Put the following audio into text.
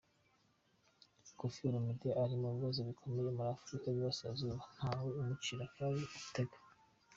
Koffi Olomide ari mu bibazo bikomeye, muri Afurika y’Uburasirazuba ntawe umucira akari urutega.